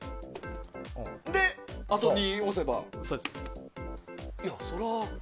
で、あと２を押せば。